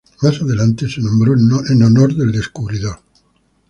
Más adelante, se nombró en honor del descubridor.